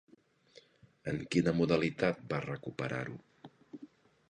En quina modalitat va recuperar-ho?